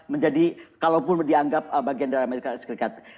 menjadi kalaupun dianggap bagian dari amerika serikat